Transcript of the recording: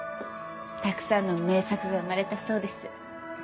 たくさんの名作が生まれたそうです。